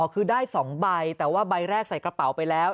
คือได้๒ใบแต่ว่าใบแรกใส่กระเป๋าไปแล้ว